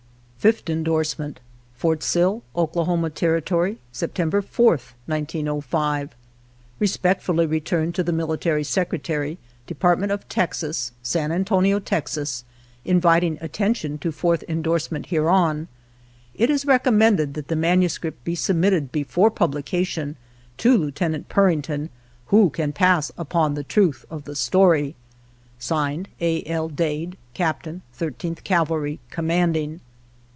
5th Endorsement. Fort Sill, O. T., Sept. 4th, 1905. Respectfully returned to the Military Secretary, Dept. of Texas, San Antonio, Texas, inviting atten tion to 4th endorsement hereon. It is recommended that the manuscript be submitted before publication to Lieut. Purington, who can pass upon the truth of the story. (Signed) A. L. Dade, Captain, 13th Cavalry, Commanding.